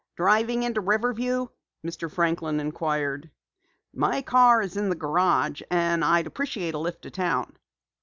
"Driving into Riverview?" Mr. Franklin inquired. "My car is in the garage, and I'll appreciate a lift to town."